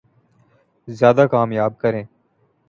زیادہ کامیاب کریں